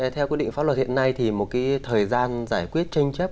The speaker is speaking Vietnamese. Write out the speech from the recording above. theo quyết định pháp luật hiện nay thì một cái thời gian giải quyết tranh chấp